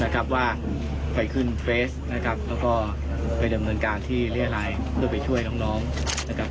ก็ไปดำเนินการที่เรียกอะไรเพื่อไปช่วยท้องน้องนะครับ